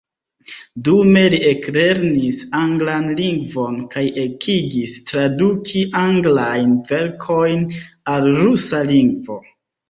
Dume li eklernis anglan lingvon kaj ekigis traduki anglajn verkojn al rusa lingvo.